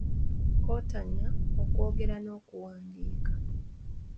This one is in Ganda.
Kontanya okwogera n'okuwandiika.